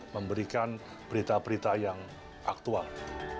seperti cnn adalah yang pertama